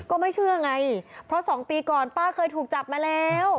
ก็ไม่เชื่อไงเพราะ๒ปีก่อนป้าเคยถูกจับมาแล้ว